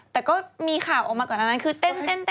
แต่ก็มีข่าวออกมาก่อนอันนั้นคือเต้น